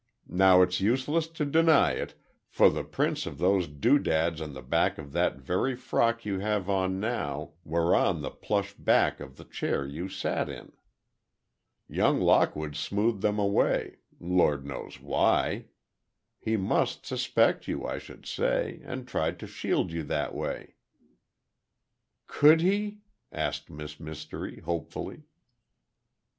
Now, it's useless to deny it, for the prints of those doodads on the back of that very frock you have on now were on the plush back of the chair you sat in. Young Lockwood smoothed them away—Lord knows why! He must suspect you, I should say, and tried to shield you that way." "Could he?" asked Miss Mystery, hopefully.